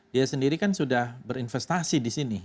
dia sendiri kan sudah berinvestasi di sini